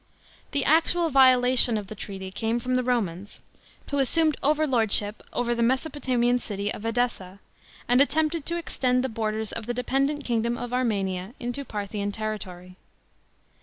The actual violation of the treaty came from the Romans, who assumed overlordship over the Mesopotamian city of Edessa, and attempted to extend the borders of the d< pendent king dom of Armenia into Parthian territory.